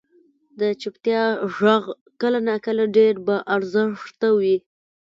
• د چپتیا ږغ کله ناکله ډېر با ارزښته وي.